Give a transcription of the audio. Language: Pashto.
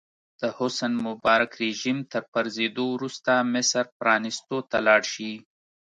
د حسن مبارک رژیم تر پرځېدو وروسته مصر پرانیستو ته لاړ شي.